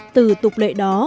từ tục lệ đó